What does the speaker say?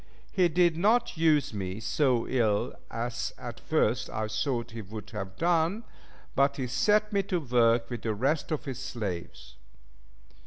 He did not use me so ill as at first I thought he would have done, but he set me to work with the rest of his slaves.